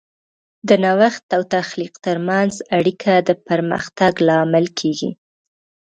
د نوښت او تخلیق ترمنځ اړیکه د پرمختګ لامل کیږي.